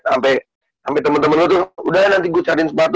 sampai temen temen gue tuh udah nanti gue cariin sepatu